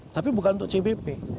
tapi bukan untuk cbp